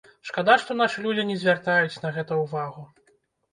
Шкада, што нашы людзі не звяртаюць на гэта ўвагу.